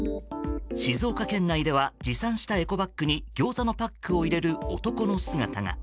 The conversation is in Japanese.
静岡県内では持参したエコバッグにギョーザのパックを入れる男の姿が。